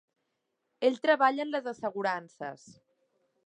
Ell treballa en les assegurances.